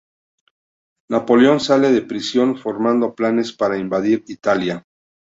Napoleón sale de prisión, formando planes para invadir Italia.